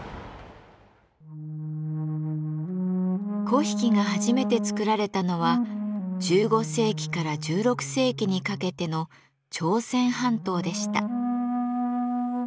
粉引が初めて作られたのは１５世紀から１６世紀にかけての朝鮮半島でした。